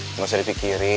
nggak usah dipikirin